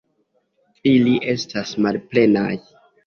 Ili estas malplenaj.